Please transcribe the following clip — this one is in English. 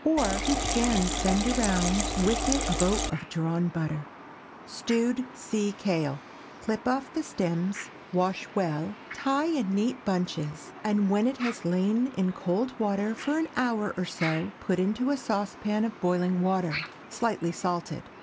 Or, you can send around with it a boat of drawn butter. STEWED SEA KALE. Clip off the stems, wash well, tie in neat bunches, and when it has lain in cold water an hour or so, put into a saucepan of boiling water, slightly salted.